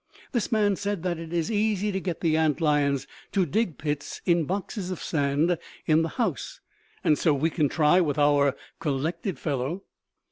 This man said that it is easy to get the ant lions to dig pits in boxes of sand in the house, and so we can try with our 'collected' fellow."